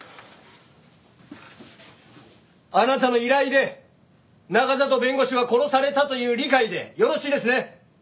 あなたの依頼で中郷弁護士は殺されたという理解でよろしいですね？